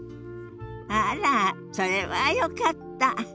あらそれはよかった。